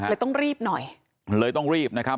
ต้องรีบหน่อยเลยต้องรีบนะครับ